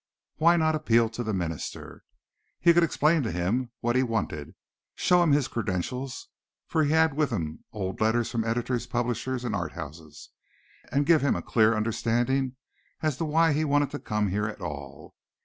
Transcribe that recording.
Why not appeal to the minister? He could explain to him what he wanted, show him his credentials for he had with him old letters from editors, publishers and art houses and give him a clear understanding as to why he wanted to come here at all.